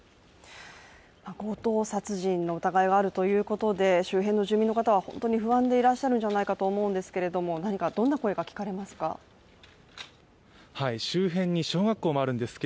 強盗殺人の疑いがあるということで周辺の住民の方は本当に不安でいらっしゃるんじゃないかと思うんですけれどもどんな声が聞かれますか？